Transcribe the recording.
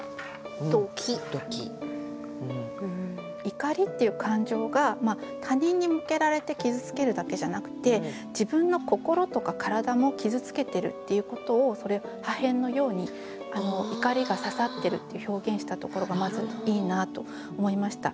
怒りっていう感情が他人に向けられて傷つけるだけじゃなくて自分の心とか体も傷つけてるっていうことを破片のように怒りが刺さってるって表現したところがまずいいなと思いました。